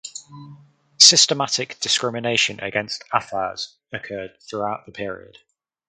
Systematic discrimination against Afars occurred throughout the period.